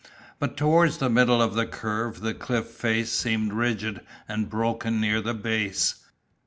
But towards the middle of the curve the cliff face seemed ridged and broken near the base.